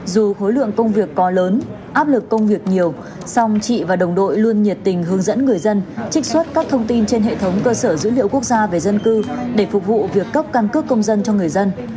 dù khối lượng công việc có lớn áp lực công việc nhiều song chị và đồng đội luôn nhiệt tình hướng dẫn người dân trích xuất các thông tin trên hệ thống cơ sở dữ liệu quốc gia về dân cư để phục vụ việc cấp căn cước công dân cho người dân